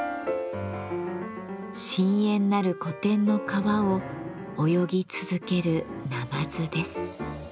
深遠なる古典の川を泳ぎ続ける鯰です。